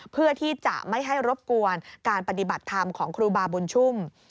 เพื่อที่จะไม่ให้รบกวนการปฏิบัติธรรมของครูบาบุญชุ่ม